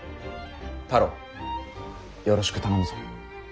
太郎よろしく頼むぞ。